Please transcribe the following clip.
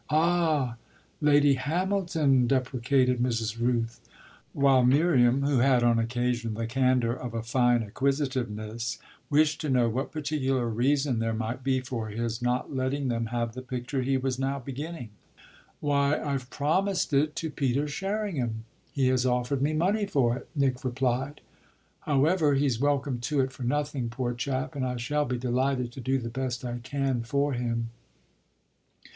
"Ah Lady Hamilton!" deprecated Mrs. Rooth; while Miriam, who had on occasion the candour of a fine acquisitiveness, wished to know what particular reason there might be for his not letting them have the picture he was now beginning. "Why I've promised it to Peter Sherringham he has offered me money for it," Nick replied. "However, he's welcome to it for nothing, poor chap, and I shall be delighted to do the best I can for him."